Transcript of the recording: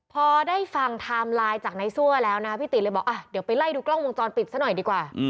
พอได้ฟังไทม์ไลน์จากนายซั่วแล้วนะพี่ติเลยบอกเดี๋ยวไปไล่ดูกล้องวงจรปิดซะหน่อยดีกว่า